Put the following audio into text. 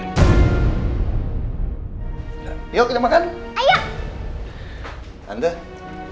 lebih deket sama gue daripada bapaknya sendiri